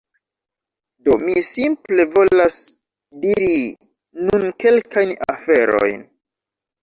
Do mi simple volas diri nun kelkajn aferojn